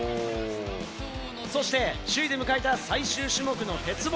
そして首位で迎えた最終種目の鉄棒。